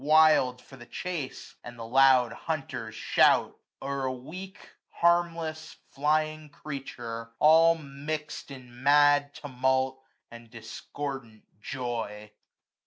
Wild for the chase ; and the loud hunters shout ; 0*er a weak, harmless, flying creature, all Mix'd in mad tumult, and discordant joy.